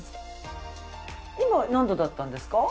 今何度だったんですか？